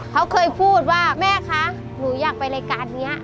เขาเคยพูดว่าแม่คะหนูอยากไปรายการนี้